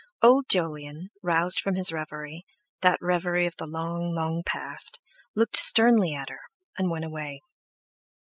Old Jolyon, roused from his reverie, that reverie of the long, long past, looked sternly at her, and went away.